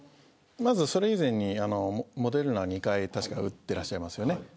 まず、それ以前にモデルナ２回たしか打ってらっしゃいますよね